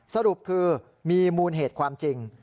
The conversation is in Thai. สรุปคือมีมูลเหตุความจริง